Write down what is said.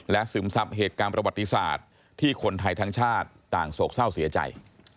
ซึมซับเหตุการณ์ประวัติศาสตร์ที่คนไทยทั้งชาติต่างโศกเศร้าเสียใจ